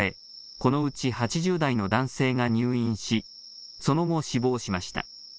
このうち８０代の男性が入院しその後、死亡しました。